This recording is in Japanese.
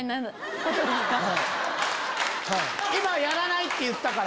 今やらないって言ったから。